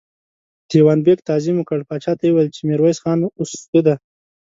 دېوان بېګ تعظيم وکړ، پاچا ته يې وويل چې ميرويس خان اوس ښه دی.